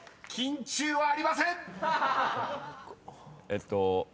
えっと。